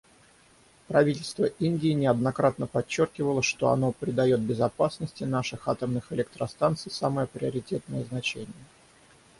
Правительство Индии неоднократно подчеркивало, что оно придает безопасности наших атомных электростанций самое приоритетное значение.